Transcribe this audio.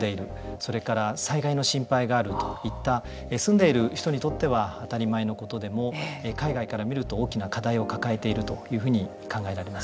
それから災害の心配があるといった住んでいる人にとっては当たり前のことでも海外から見ると大きな課題を抱えているというふうに考えられます。